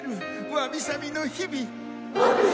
わびさびの日々。